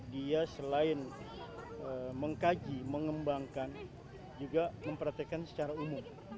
dia selain mengkaji mengembangkan juga mempraktekan secara umum